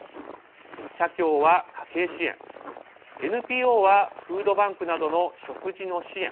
社協は家計支援、ＮＰＯはフードバンクなどの食事の支援